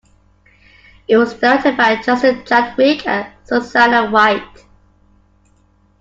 It was directed by Justin Chadwick and Susanna White.